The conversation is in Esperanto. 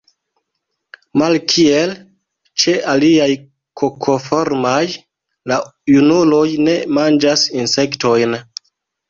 Malkiel ĉe aliaj kokoformaj, la junuloj ne manĝas insektojn.